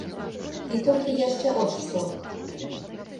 І толькі яшчэ от што.